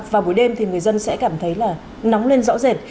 vào buổi đêm thì người dân sẽ cảm thấy là nóng lên rõ rệt